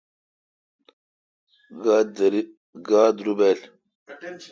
اگا دریل